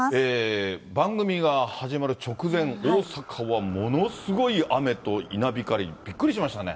番組が始まる直前、大阪はものすごい雨と稲光、びっくりしましたね。